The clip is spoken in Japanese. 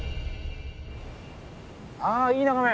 あいい眺め。